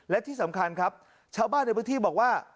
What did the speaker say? และที่สำคัญครับชาวบ้านในพื้นที่บอกว่า